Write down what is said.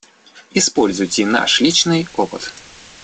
Используйте наш личный опыт.